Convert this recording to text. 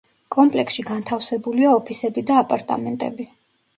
კომპლექსში განთავსებულია ოფისები და აპარტამენტები.